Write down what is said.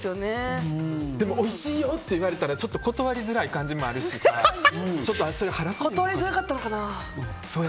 でもおいしいよって言われたら断りづらい感じもあるし断りづらかったのかな。